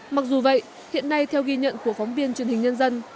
mặc dù vậy hiện nay theo ghi nhận của phóng viên truyền hình nhân dân